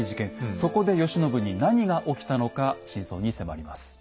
そこで慶喜に何が起きたのか真相に迫ります。